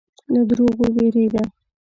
له دروغو وېرېږه.